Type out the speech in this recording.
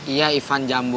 iya ivan jambul